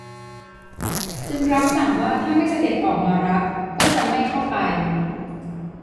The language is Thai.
จึงรับสั่งว่าถ้าไม่เสด็จออกมารับก็จะไม่เข้าไป